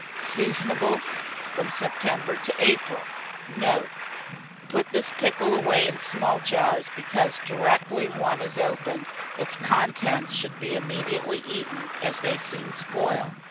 Seasonable from September to April. Note. Put this pickle away in small jars; because directly one is opened, its contents should immediately be eaten, as they soon spoil.